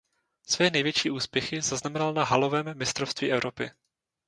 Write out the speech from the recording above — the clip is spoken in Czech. Své největší úspěchy zaznamenal na halovém mistrovství Evropy.